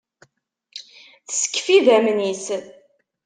Teskef idammen-is.